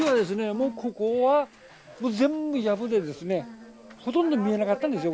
もうここはもう全部やぶでですねほとんど見えなかったんですよ